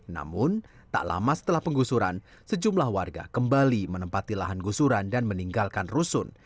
namun tak lama setelah penggusuran sejumlah warga kembali menempati lahan gusuran dan meninggalkan rusun